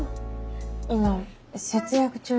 今節約中で。